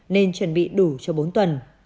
nên chuẩn bị đủ cho bốn tuần